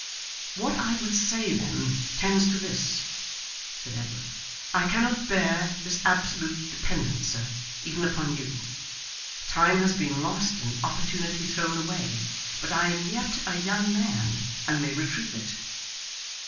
'What I would say then, tends to this,' said Edward. 'I cannot bear this absolute dependence, sir, even upon you. Time has been lost and opportunity thrown away, but I am yet a young man, and may retrieve it.